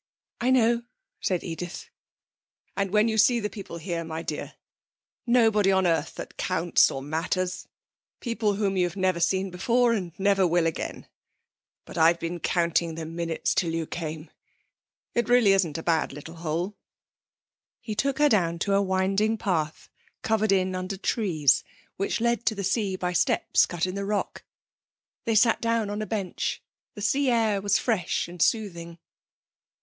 'I know,' said Edith. 'And when you see the people here, my dear, nobody on earth that counts or matters! people whom you've never seen before and never will again. But I've been counting the minutes till you came. It really isn't a bad little hole.' He took her down to a winding path covered in under trees, which led to the sea by steps cut in the rock. They sat down on a bench. The sea air was fresh and soothing.